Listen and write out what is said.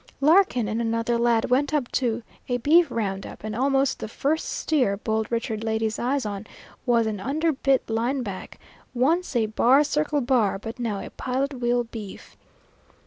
Larkin and another lad went up to a beef round up, and almost the first steer Bold Richard laid his eyes on was an under bit, line back, once a bar circle bar but now a pilot wheel beef.